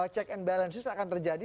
check and balance ini akan terjadi